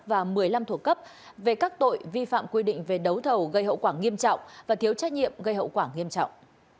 và một mươi năm thuộc cấp về các tội vi phạm quy định về đấu thầu gây hậu quả nghiêm trọng và thiếu trách nhiệm gây hậu quả nghiêm trọng